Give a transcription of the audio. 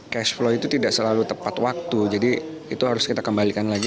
cash flow itu tidak selalu tepat waktu jadi itu harus kita kembalikan lagi